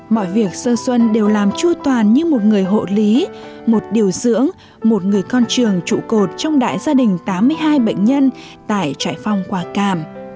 mọi việc sơ xuân đều làm chua toàn như một người hộ lý một điều dưỡng một người con trường trụ cột trong đại gia đình tám mươi hai bệnh nhân tại trại phong quả cảm